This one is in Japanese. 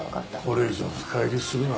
「これ以上深入りするな」